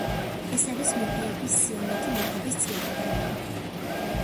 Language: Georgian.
ეს არის მეფეების სია მათი მეფობის წლებით.